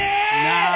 なあ